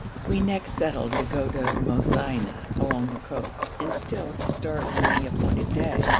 We next settled to go to Mosaina along the coast, and still to start on the appointed day.